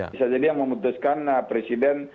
bisa jadi yang memutuskan presiden